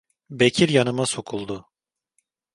Bekir yanıma sokuldu.